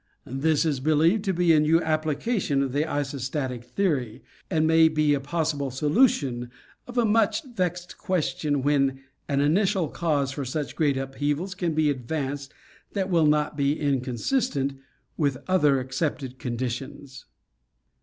This is believed to bea new application of the isostatic theory, and may be a possible solution of a much vexed question when an initial cause for such great upheavals can be advanced that will not be inconsistent with other accepted conditions.